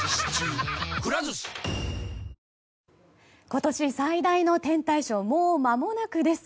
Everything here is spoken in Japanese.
今年最大の天体ショーもうまもなくです。